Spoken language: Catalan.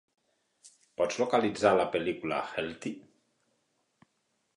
Pots localitzar la pel·lícula, Healthy?